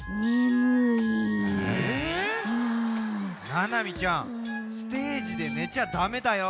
ななみちゃんステージでねちゃダメだよ。